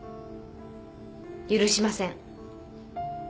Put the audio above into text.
許しません。